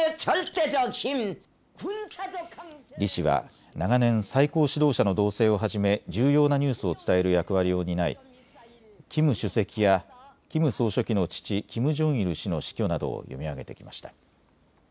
リ氏は長年、最高指導者の動静をはじめ重要なニュースを伝える役割を担いキム主席やキム総書記の父、キム・ジョンイル氏の死去などを読み上げてきました。